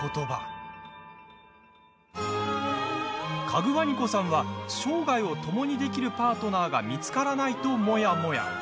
かぐわにこさんは生涯をともにできるパートナーが見つからないとモヤモヤ。